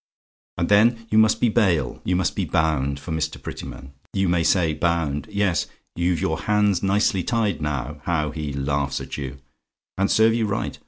"And then you must be bail you must be bound for Mr. Prettyman! You may say, bound! Yes you've your hands nicely tied, now. How he laughs at you and serve you right!